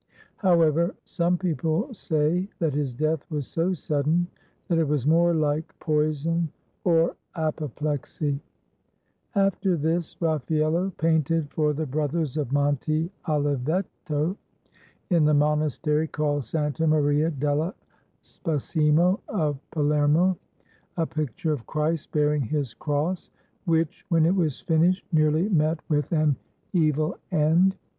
However, some people say that his death was so sudden that it was more hke poison or apoplexy. After this Raffaello painted for the Brothers of Monte Oliveto, in the monastery called Santa Maria dello Spasimo of Palermo, a picture of Christ bearing his cross, which when it was finished nearly met with an evil end.